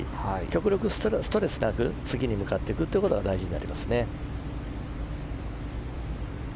極力ストレスなく次に向かっていくのが大事になりますね。